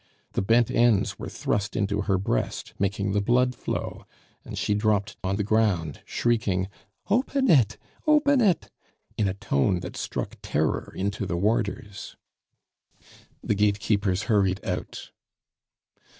The bent ends were thrust into her breast, making the blood flow, and she dropped on the ground, shrieking, "Open it, open it!" in a tone that struck terror into the warders. The gatekeepers hurried out.